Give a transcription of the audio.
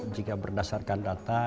jika berdasarkan data